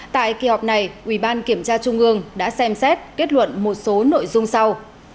tại kỳ họp này ubkt đã xem xét kết luận một số nội dung sau